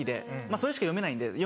それしか読めないんで。